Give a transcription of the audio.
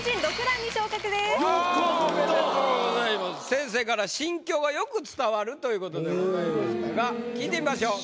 先生から「心境がよく伝わる」ということでございましたが聞いてみましょう。